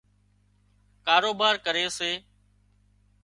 ڪاروبار ڪري سي